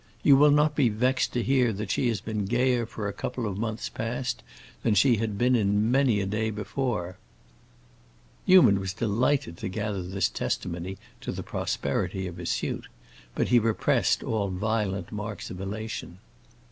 You will not be vexed to hear that she has been gayer for a couple of months past than she had been in many a day before." Newman was delighted to gather this testimony to the prosperity of his suit, but he repressed all violent marks of elation.